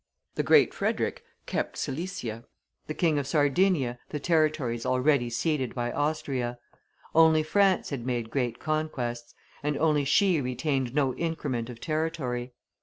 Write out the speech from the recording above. The Great Frederic kept Silesia; the King of Sardinia the territories already ceded by Austria. Only France had made great conquests; and only she retained no increment of territory.